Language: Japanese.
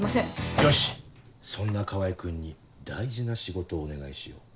よしそんな川合君に大事な仕事をお願いしよう。